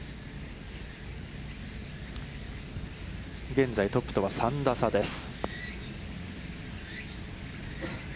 現在トップとは３打差です。